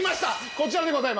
こちらでございます。